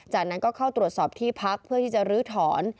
จากนั้นก็เข้าตรวจสอบที่พักเพื่อที่จะลื้อถอน